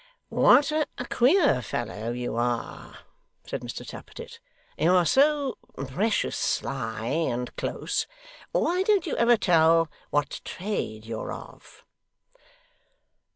'What a queer fellow you are!' said Mr Tappertit. 'You're so precious sly and close. Why don't you ever tell what trade you're of?